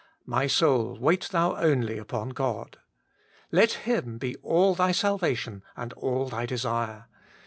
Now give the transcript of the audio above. ' My soul, wait thou only upon God ;' let Him be all thy salvation and all thy desire.